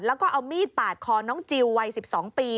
แล้วก็เอามีดปาดคอน้องจิลวัย๑๒ปี